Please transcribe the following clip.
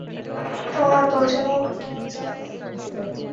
তোমরা দুজন দুজনের জায়গায়।